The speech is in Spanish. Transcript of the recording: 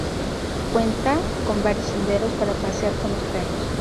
Cuenta con varios senderos para pasear con los perros.